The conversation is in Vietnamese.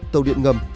tàu điện ngầm